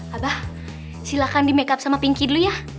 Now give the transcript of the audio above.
abah silahkan di make up sama pinky dulu ya